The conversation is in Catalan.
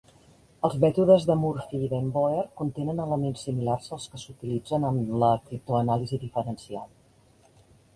Els mètodes de Murphy i den Boer contenen elements similars als que s'utilitzen en la criptoanàlisi diferencial.